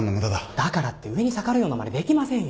だからって上に逆らうようなまねできませんよ。